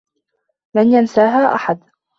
لن ينساها أحد.